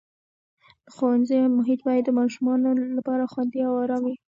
د ښوونځي محیط باید د ماشومانو لپاره خوندي او ارام وي.